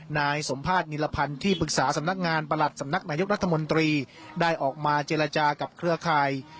นายสมภาษณิรพันธ์ที่ปรึกษาสำนักงานประหลัดสำนักนายกรัฐมนตรีได้ออกมาเจรจากับเครือข่าย